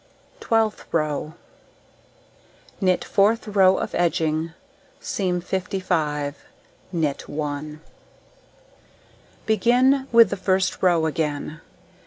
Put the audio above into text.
Twelfth row: Knit fourth row of edging, seam 55 stitches, knit 1. Begin with the first row again.